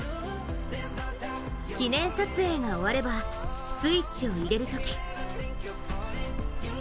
記念撮影が終わればスイッチを入れるとき。